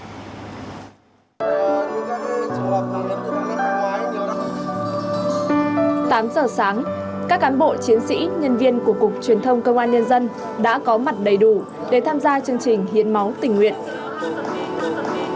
tám giờ sáng các cán bộ chiến sĩ nhân viên của cục truyền thông công an nhân dân đã có mặt đầy đủ để tham gia chương trình hiến máu tình nguyện